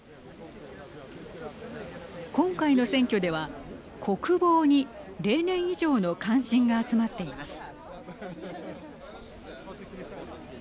今回の選挙では国防に例年以上の関心が集まっています。